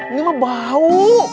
ini mah bau